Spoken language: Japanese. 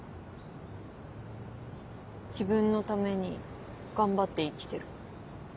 自分のために頑張って生きてる。